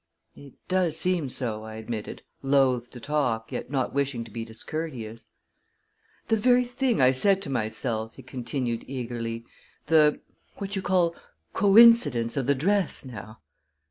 "It does seem so," I admitted, loth to talk, yet not wishing to be discourteous. "The ver' thing I said to myself!" he continued eagerly. "The what you call coe encidence of the dress, now!"